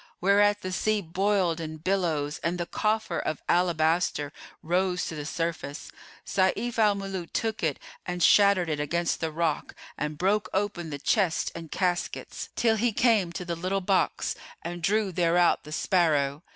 Whereat the sea boiled in billows and the coffer of alabaster rose to the surface. Sayf al Muluk took it and shattered it against the rock and broke open the chests and caskets, till he came to the little box and drew thereout the sparrow.